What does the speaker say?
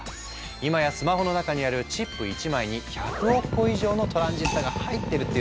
今やスマホの中にあるチップ１枚に１００億個以上のトランジスタが入ってるっていうんだからびっくりだよね。